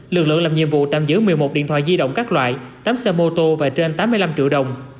lực lượng làm nhiệm vụ tạm giữ một mươi một điện thoại di động các loại tám xe mô tô và trên tám mươi năm triệu đồng